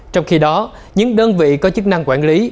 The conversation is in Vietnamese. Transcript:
trong khi đó những đơn vị có chức năng quản lý